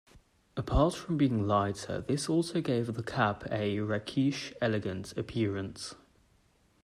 Apart from being lighter, this also gave the cap a rakish, elegant appearance.